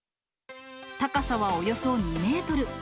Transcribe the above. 高さはおよそ２メートル。